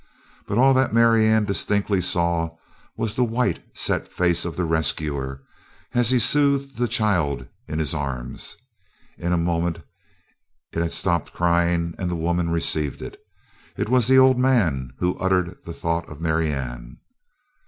But all that Marianne distinctly saw was the white, set face of the rescuer as he soothed the child in his arms; in a moment it had stopped crying and the woman received it. It was the old man who uttered the thought of Marianne.